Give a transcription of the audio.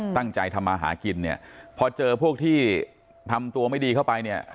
ตั้งใจทำมาหากินพอเจอพวกที่ทำตัวไม่ดีเข้าไป